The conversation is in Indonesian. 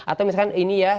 atau misalkan ini ya